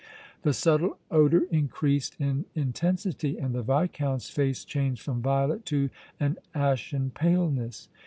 The subtle odor increased in intensity and the Viscount's face changed from violet to an ashen paleness.